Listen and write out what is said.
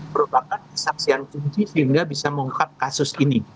merupakan kesaksian kunci sehingga bisa mengungkap kasus ini